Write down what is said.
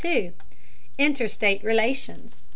INTERSTATE RELATIONS.